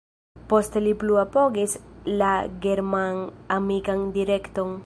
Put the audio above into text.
Poste li plu apogis la german-amikan direkton.